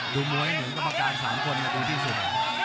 ดูมวยเหมือนกรรมการ๓คนดูที่สุด